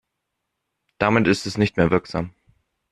Damit ist es nicht mehr wirksam.